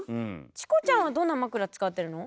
チコちゃんはどんな枕使ってるの？